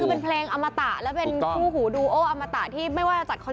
คือเป็นเพลงอมตระแล้วเป็หนูหูดูโอ้อมตระที่ไม่ว่าจะจัด